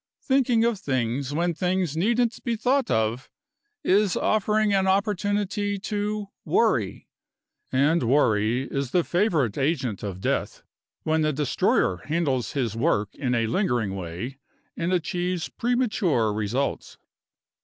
Thinking of things, when things needn't be thought of, is offering an opportunity to Worry; and Worry is the favorite agent of Death when the destroyer handles his work in a lingering way, and achieves premature results.